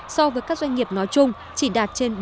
so với các doanh nghiệp nói chung chỉ đạt trên bốn mươi